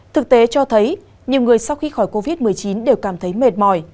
thực tế cho thấy nhiều người sau khi khỏi covid một mươi chín đều cảm thấy mệt mỏi